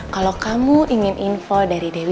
kalau kamu ingin info dari dewi